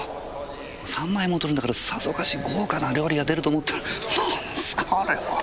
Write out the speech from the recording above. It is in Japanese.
３万円も取るんだからさぞかし豪華な料理が出ると思ったらなんすかあれは！